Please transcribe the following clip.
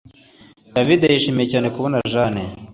David yishimiye cyane kubona Jane